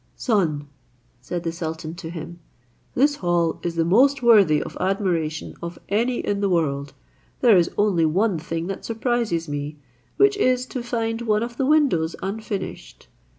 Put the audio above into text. "Son," said the sultan to him, "this hall is the most worthy of admiration of any in the world; there is only one thing that surprises me, which is to find one of the windows unfinished.